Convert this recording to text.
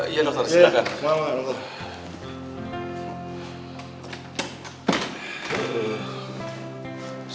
iya dokter silahkan